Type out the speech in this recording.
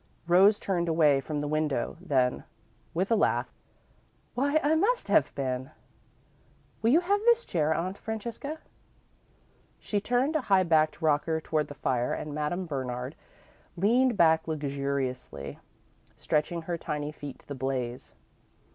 Rose turned away from the window then, with a laugh. "Why, I must have been. Will you have this chair, Aunt Francesca?" She turned a high backed rocker toward the fire and Madame Bernard leaned back luxuriously, stretching her tiny feet to the blaze.